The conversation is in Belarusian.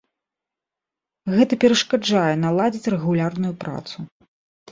Гэта перашкаджае наладзіць рэгулярную працу.